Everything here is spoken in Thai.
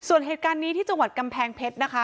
ส่วนเหตุการณ์นี้ที่จังหวัดกำแพงเพชรนะคะ